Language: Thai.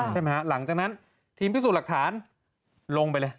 ใช่ไหมฮะหลังจากนั้นทีมพิสูจน์หลักฐานลงไปเลย